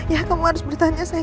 ya kamu harus bertahannya